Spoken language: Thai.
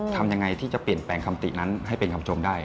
ทำยังไงที่จะเปลี่ยนแปลงคำตินั้นให้เป็นคำชมได้